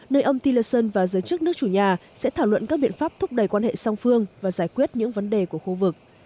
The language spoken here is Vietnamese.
nơi ông tilerson và giới chức nước chủ nhà sẽ thảo luận các biện pháp thúc đẩy quan hệ song phương và giải quyết những vấn đề của khu vực